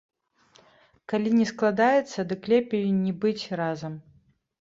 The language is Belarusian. Калі не складаецца, дык лепей не быць разам.